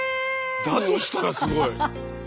だとしたらすごい。